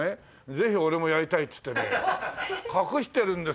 「ぜひ俺もやりたい」っつってね隠してるんですよ